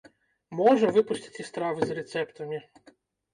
Можа, выпусцяць і стравы з рэцэптамі.